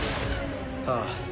ああ。